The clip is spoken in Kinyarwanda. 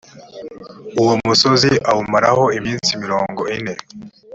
uwo musozi awumaraho iminsi mirongo ine